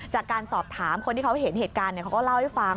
จากการสอบถามคนที่เขาเห็นเหตุการณ์เขาก็เล่าให้ฟัง